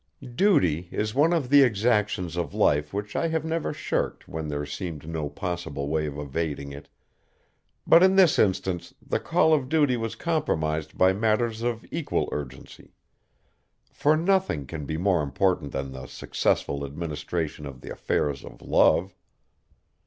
Duty is one of the exactions of life which I have never shirked when there seemed no possible way of evading it, but in this instance the call of duty was compromised by matters of equal urgency, for nothing can be more important than the successful administration of the affairs of love.